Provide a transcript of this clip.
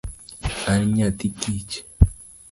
An nyathi kich.